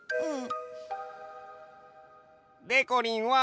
うん。